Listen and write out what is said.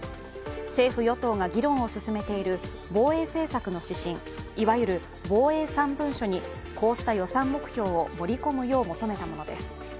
政府・与党が議論を進めている防衛政策の指針、いわゆる防衛３文書にこうした予算目標を盛り込むよう求めたものです。